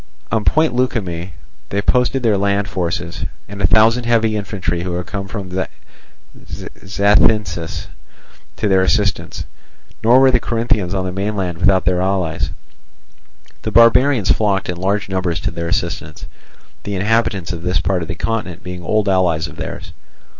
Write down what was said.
On Point Leukimme they posted their land forces, and a thousand heavy infantry who had come from Zacynthus to their assistance. Nor were the Corinthians on the mainland without their allies. The barbarians flocked in large numbers to their assistance, the inhabitants of this part of the continent being old allies of theirs.